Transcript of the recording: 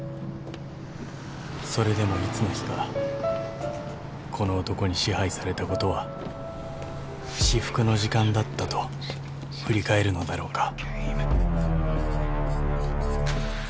［それでもいつの日かこの男に支配されたことは至福の時間だったと振り返るのだろうか］